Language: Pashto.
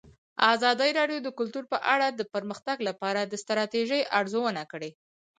ازادي راډیو د کلتور په اړه د پرمختګ لپاره د ستراتیژۍ ارزونه کړې.